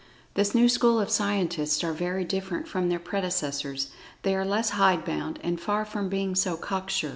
This new school of Scientists are very different from their predecessors—they are less "hide bound," and far from being so "cock sure."